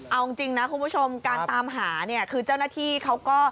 เอาจริงนะคุณผู้ชมการตามหาเนี่ยคือเจ้าหน้าที่เขาก็